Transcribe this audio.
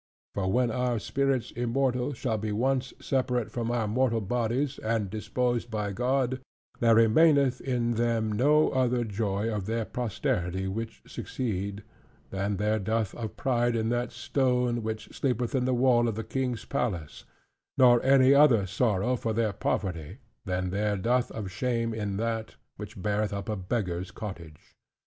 " For when our spirits immortal shall be once separate from our mortal bodies, and disposed by God; there remaineth in them no other joy of their posterity which succeed, than there doth of pride in that stone, which sleepeth in the wall of the king's palace; nor any other sorrow for their poverty, than there doth of shame in that, which beareth up a beggar's cottage.